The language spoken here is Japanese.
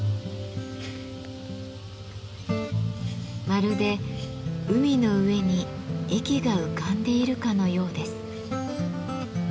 まるで海の上に駅が浮かんでいるかのようです。